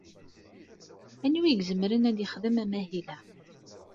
Anwa i izemren ad yexdem amahil-a?